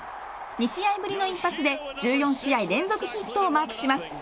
２試合ぶりの一発で１４試合連続ヒットをマークします。